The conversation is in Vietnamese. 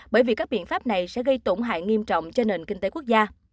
bởi vì các biện pháp này sẽ gây tổn hại nghiêm trọng cho nền kinh tế quốc gia